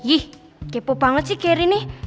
ih kepo banget sih geri nih